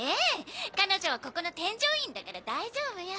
彼女はここの添乗員だから大丈夫よ。